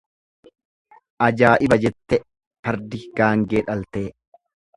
Ajaa'iba jette fardi gaangee dhaltee.